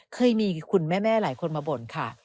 เคยมีคุณแม่หลายคนมาบ่นค่ะ